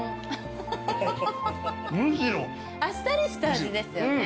あっさりした味ですよね。